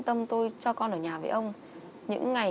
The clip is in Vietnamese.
là có chuyện gì